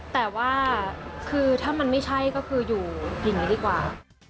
แต่ว่าคือถ้ามันไม่ใช่ก็คืออยู่อย่างนี้ดีกว่า